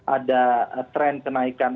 ada tren kenaikan